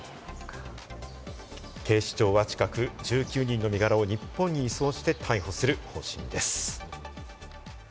警視庁は近く１９人の身柄を日本に移送して逮捕する方針です。